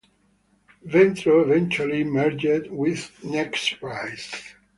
Ventro eventually merged with Nexprise.